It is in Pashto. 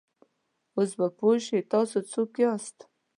اوس به پوه شې، تاسې څوک یاست؟